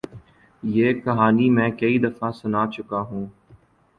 یہ کہانی میں کئی دفعہ سنا چکا ہوں۔